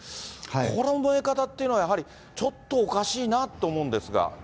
この燃え方っていうのは、やはりちょっとおかしいなと思うんですが。